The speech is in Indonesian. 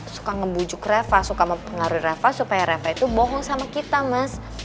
suka ngembujuk reva suka mempengaruhi reva supaya reva itu bohong sama kita mas